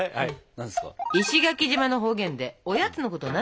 何ですか？